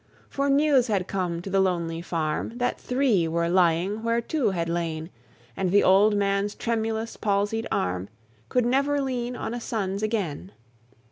For news had come to the lonely farm That three were lying where two had lain; And the old man's tremulous, palsied arm Could never lean on a son's again.